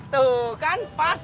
tuh kan pas